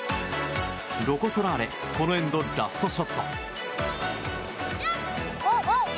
ロコ・ソラーレこのエンド、ラストショット。